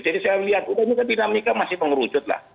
jadi saya lihat ini kan dinamika masih mengerucut lah